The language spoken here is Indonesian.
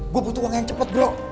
gue butuh uang yang cepat bro